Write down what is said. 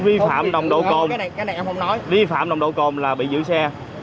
em vi phạm nồng độ côn vi phạm nồng độ côn là bị giữ xe